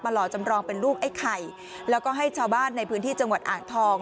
หล่อจำรองเป็นลูกไอ้ไข่แล้วก็ให้ชาวบ้านในพื้นที่จังหวัดอ่างทอง